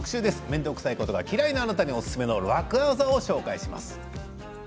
面倒くさいことが嫌いなあなたにおすすめの楽ワザです。